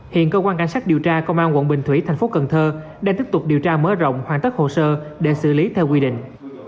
hiện cơ quan cảnh sát điều tra công an quận bình thủy thành phố cần thơ đang tiếp tục điều tra mở rộng hoàn tất hồ sơ để xử lý theo quy định